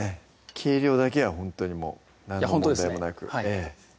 計量だけはほんとにもう何の問題もなくええ